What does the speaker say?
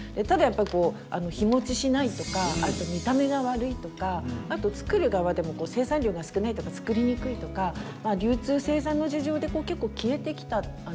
ただやっぱりこう日もちしないとかあと見た目が悪いとかあと作る側でも生産量が少ないとか作りにくいとか流通生産の事情で結構消えてきた。